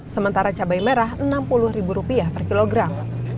sementara cabai merah rp enam puluh per kilogram